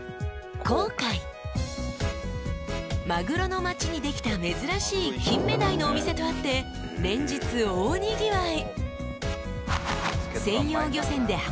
［マグロの町にできた珍しい金目鯛のお店とあって連日大にぎわい］